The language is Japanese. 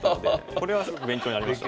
これはすごく勉強になりました。